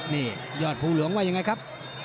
นี่ยอดภูเหลืองว่าอย่างไรครับ